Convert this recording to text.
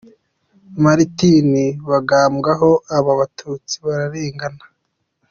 Martin Bangamwabo : Abo batutsi bararengana.